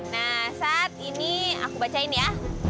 nah saat ini aku bacain ya